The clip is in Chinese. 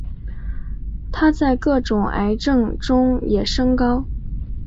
它在各种癌症中也升高。